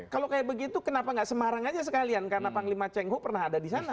kalau kayak begitu kenapa tidak semarang saja sekalian karena panglima cheng hu pernah ada di sana